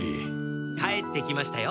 帰ってきましたよ